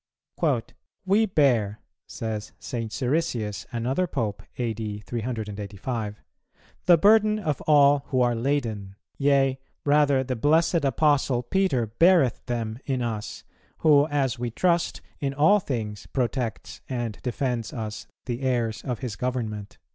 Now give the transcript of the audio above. "We bear," says St. Siricius, another Pope (A.D. 385), "the burden of all who are laden; yea, rather the blessed Apostle Peter beareth them in us, who, as we trust, in all things protects and defends us the heirs of his government."